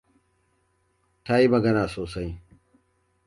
Ta yi magana sosai.